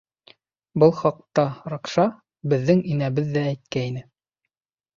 Был хаҡта Ракша — беҙҙең инәбеҙ ҙә әйткәйне.